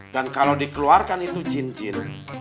dan kalo dikeluarkan itu jin jin